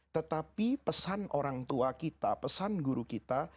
tetapi pesan orang tua kita pesan guru kita